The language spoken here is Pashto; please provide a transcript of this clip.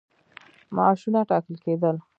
معاشونه ټاکل کېدل.